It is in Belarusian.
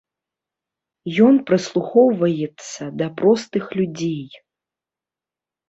Ён прыслухоўваецца да простых людзей.